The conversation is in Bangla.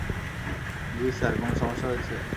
জী স্যার, কোন সমস্যা হয়েছে?